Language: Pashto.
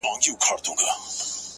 د زړگي غوښي مي د شپې خوراك وي ـ